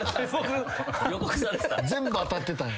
全部当たってたんや。